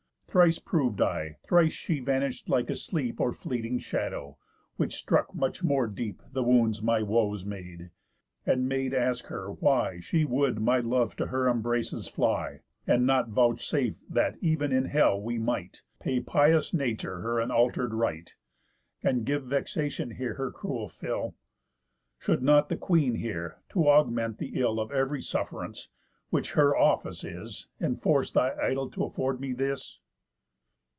Thrice prov'd I, thrice she vanish'd like a sleep, Or fleeting shadow, which struck much more deep The wounds my woes made, and made ask her why She would my love to her embraces fly, And not vouchsafe that ev'n in hell we might Pay pious Nature her unalter'd right, And give Vexation here her cruel fill? Should not the Queen here, to augment the ill Of ev'ry suff'rance, which her office is, Enforce thy idol to afford me this?